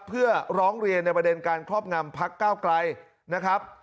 เพื่อร้องเรียนในประเด็นการครอบงำพักก้าวไกลนะครับ